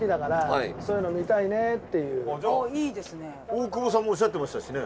大久保さんもおっしゃってましたしね。